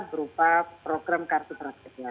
berupa program kartu terakhirnya